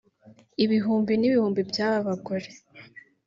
Ibihumbi n’ibihumbi by’aba bagore